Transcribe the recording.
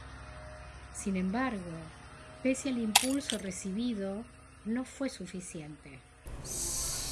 Sin embargo, pese al impulso recibido, no fue suficiente.